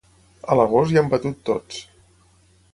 A l'agost ja hem batut tots.